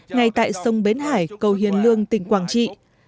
ngay tại sông bến hải cầu hiền lương tỉnh quảng trị